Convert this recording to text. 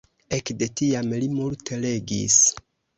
Ekde tiam li multe legis.